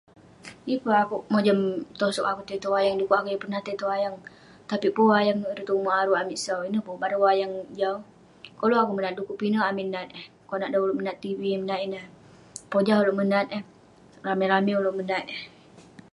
Yeng pun akouk mojam tosog akouk tai tong wayang, dekuk akouk yeng peronah tai tong wayang. Tapik pun peh wayang nouk ireh tong ume' aruk amik sau, ineh pun bareng wayang jau. Koluk akouk menat eh, dekuk pinek amik nat eh. Konak dan ulouk menat tv, [unintelligible] pojah ulouk menat eh, rame-rame ulouk menat eh.